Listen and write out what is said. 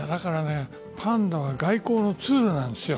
パンダは外交のツールなんですよ。